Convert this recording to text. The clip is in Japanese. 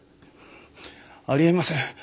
あり得ません。